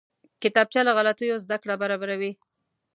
کتابچه له غلطیو زده کړه برابروي